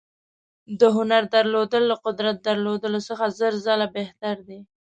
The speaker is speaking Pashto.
د هنر درلودل له قدرت درلودلو څخه زر ځله بهتر دي.